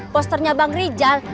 posternya bang rizal